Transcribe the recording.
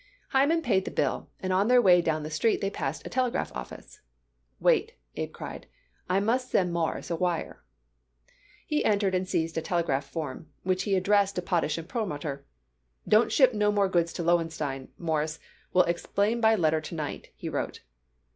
Hyman paid the bill, and on their way down the street they passed a telegraph office. "Wait," Abe cried, "I must send Mawruss a wire." He entered and seized a telegraph form, which he addressed to Potash & Perlmutter. "Don't ship no more goods to Lowenstein, Morris. Will explain by letter to night," he wrote.